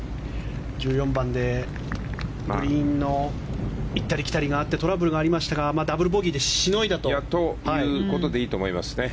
１４番でグリーンの行ったり来たりがあってトラブルがありましたがダブルボギーでしのいだと。ということでいいと思いますね。